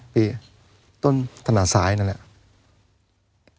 มีต้นถนัดซ้ายนั่นเนี่ย